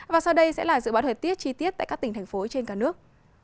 và sau đây sẽ là dự báo thời tiết chi tiết tại các tỉnh thành phố trên cả nước